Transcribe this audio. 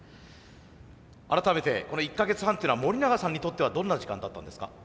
改めてこの１か月半っていうのは森永さんにとってはどんな時間だったんですか？